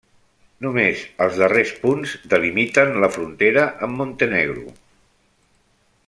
Només els darrers punts delimiten la frontera amb Montenegro.